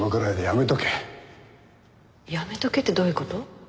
やめとけってどういう事？